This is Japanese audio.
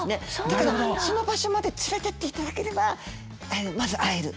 だからその場所まで連れてっていただければまず会える。